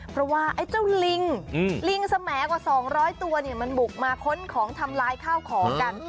เพราะว่าไอ้เจ้าลิงลิงสแหมดกว่า๒๐๐ตัวเนี่ยมันบุกมาค้นของทำลายข้าวของกัน